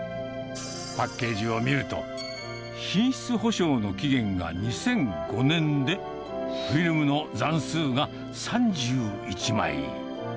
パッケージを見ると、品質保証の期限が２００５年で、フィルムの残数が３１枚。